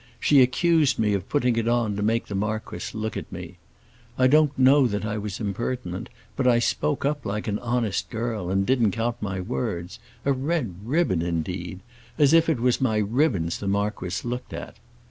She accused me of putting it on to make the marquis look at me. I don't know that I was impertinent, but I spoke up like an honest girl and didn't count my words. A red ribbon indeed! As if it was my ribbons the marquis looked at!